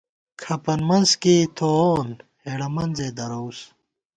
کھپن مَنز کېئ تھووون، ہېڑہ منزے دَروس